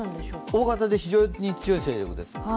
大型で非常に強い勢力です。